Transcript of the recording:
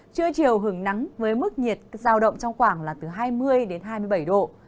trưa chiều hưởng nắng với mức nhiệt giao động trong khoảng là từ hai mươi đến hai mươi bảy độ